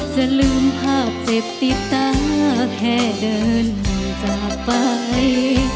จะลืมภาพเจ็บติดตาแค่เดินห่างจากไป